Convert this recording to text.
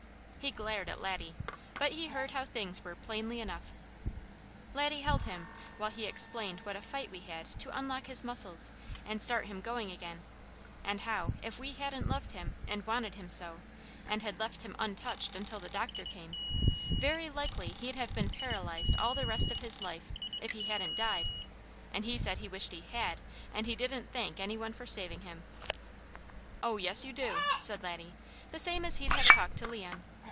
He glared at Laddie, but he heard how things were plainly enough. Laddie held him, while he explained what a fight we had to unlock his muscles, and start him going again, and how, if we hadn't loved him, and wanted him so, and had left him untouched until the Doctor came, very likely he'd have been paralyzed all the rest of his life, if he hadn't died; and he said he wished he HAD, and he didn't THANK any one for saving him. "Oh yes you do!" said Laddie, the same as he'd have talked to Leon.